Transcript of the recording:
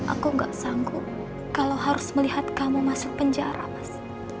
aku gak sanggup kalau harus melihat kamu masuk penjara mas